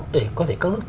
để có thể các nước